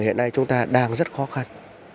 thì hiện nay chúng ta đang rất khó khăn